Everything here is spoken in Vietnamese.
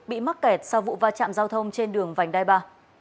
bị mắc kẹt sau vụ va chạm giao thông trên đường vành đai ba